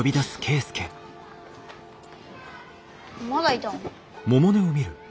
まだいたの？